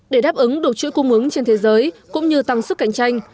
để đáp ứng được chuỗi cung ứng trên thế giới cũng như tăng sức cạnh tranh